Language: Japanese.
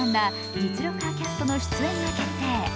実力派キャストの出演が決定。